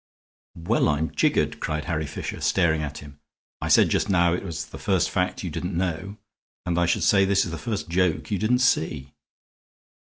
"Well, I'm jiggered!" cried Harry Fisher, staring at him. "I said just now it was the first fact you didn't know, and I should say this is the first joke you didn't see."